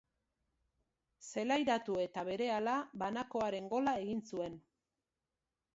Zelairatu eta berehala, banakoaren gola egin zuen.